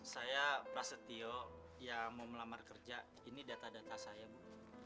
saya prasetyo yang mau melamar kerja ini data data saya bu